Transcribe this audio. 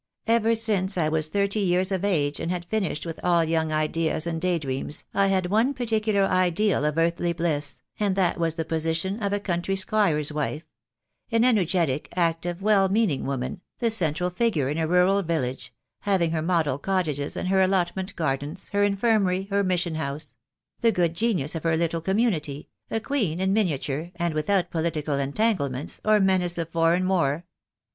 Ever since I THE DAY WILL COME. 269 was thirty years of age and had finished with all young ideas and day dreams, I had one particular ideal of earthly bliss, and that was the position of a country squire's wife — an energetic, active, well meaning woman, the central figure in a rural village, having her model cottages and her allotment gardens, her infirmary, her mission house — the good genius of her little community, a queen in miniature, and without political entanglements, or menace of foreign war.